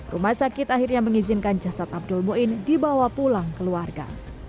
rumah sakit akhirnya mengizinkan jasad abdul muin dibawa pulang keluarga